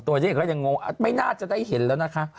ตัวเนี่ยก็ลงงงไม่น่าจะได้เห็นแล้วนะคะ